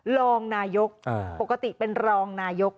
รองนายกปกติเป็นรองนายก